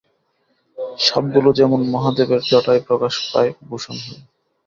সাপগুলো যেমন মহাদেবের জটায় প্রকাশ পায় ভূষণ হয়ে।